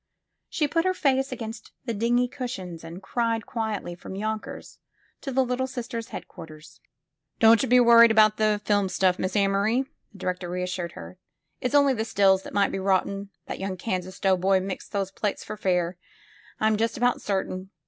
She put her face against the dingy cushions and cried quietly from Tonkers to the Little Sisters' head quarters. 199 SQUARE PEGGY Don't you be worried about the film stuff, Miss Amory," the director reassured her, *'it's only the stills that may be rotten. That young Kansas doughboy mixed those plates for fair, I'm just about certain.